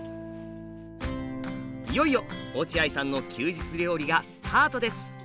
いよいよ落合さんの休日料理がスタートです。